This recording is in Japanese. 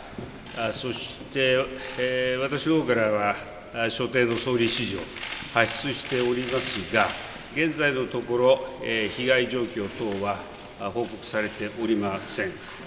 そして私のほうからは、所定の総理指示を発出しておりますが、現在のところ、被害状況等は報告されておりません。